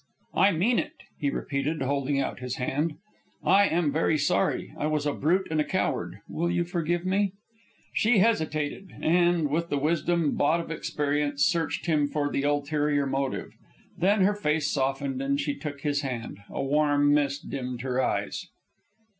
"I mean it," he repeated, holding out his hand. "I am very sorry. I was a brute and a coward. Will you forgive me?" She hesitated, and, with the wisdom bought of experience, searched him for the ulterior motive. Then, her face softened, and she took his hand. A warm mist dimmed her eyes.